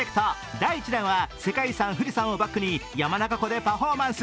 第１弾は世界遺産・富士山をバックに山中湖でパフォーマンス。